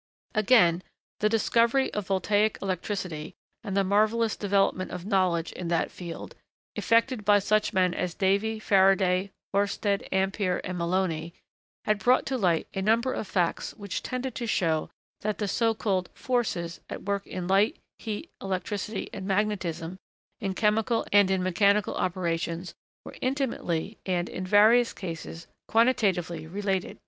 Again, the discovery of voltaic electricity, and the marvellous development of knowledge, in that field, effected by such men as Davy, Faraday, Oersted, Ampère, and Melloni, had brought to light a number of facts which tended to show that the so called 'forces' at work in light, heat, electricity, and magnetism, in chemical and in mechanical operations, were intimately, and, in various cases, quantitatively related.